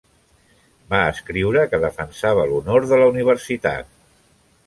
Va escriure que defensava l'honor de la universitat.